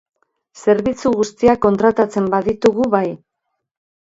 Zerbitzu guztiak kontratatzen baditugu, bai.